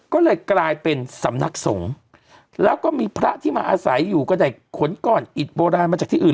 ก็เลยกลายเป็นสำนักสงฆ์แล้วก็มีพระที่มาอาศัยอยู่ก็ได้ขนก้อนอิดโบราณมาจากที่อื่น